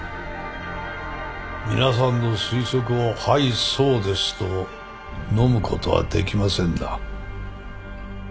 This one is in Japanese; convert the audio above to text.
皆さんの推測をはいそうですとのむことはできませんな。